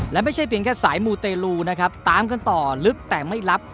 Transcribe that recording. และไม่ใช่เพียงแค่สายมูเตลูนะครับตามกันต่อลึกแต่ไม่รับ